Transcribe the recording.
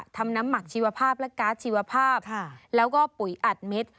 ทำน้ำหมักชีวภาพและการ์ดชีวภาพแล้วก็ปุ๋ยอัดเม็ด